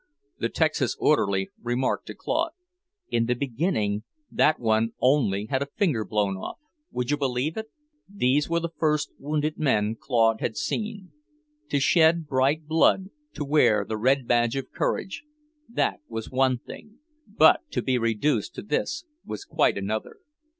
The Texas orderly remarked to Claude, "In the beginning that one only had a finger blown off; would you believe it?" These were the first wounded men Claude had seen. To shed bright blood, to wear the red badge of courage, that was one thing; but to be reduced to this was quite another.